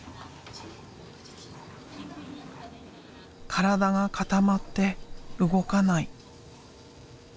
体が固まって動かない。